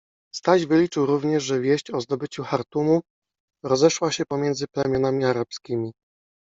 Staś wyliczył również, że wieść o zdobyciu Chartumu rozeszła się pomiędzy plemionami arabskimi.